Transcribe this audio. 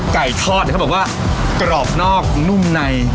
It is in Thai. ไก่ทอดเค้าบอกว่ากรอบนอกนุ่มใน